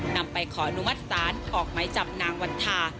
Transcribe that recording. นำไปขออนุมัติศาลออกไหมจับนางวันทา